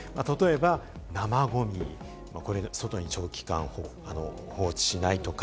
例えば、生ごみを外に長期間放置しないとか。